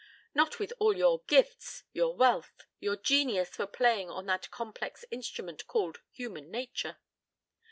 Not with all your gifts, your wealth, your genius for playing on that complex instrument called human nature.